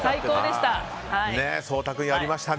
颯太君、やりましたね。